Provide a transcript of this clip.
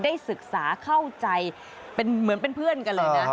ได้ศึกษาเข้าใจเป็นเหมือนเป็นเพื่อนกันเลยนะ